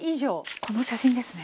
この写真ですね。